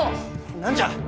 何じゃ。